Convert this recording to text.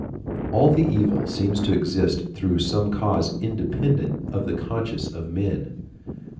All the evil seems to exist through some cause independent of the conscience of men.